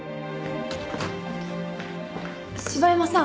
柴山さん。